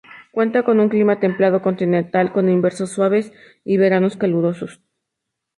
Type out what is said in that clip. Cuenta con un clima templado-continental con inviernos suaves y veranos calurosos.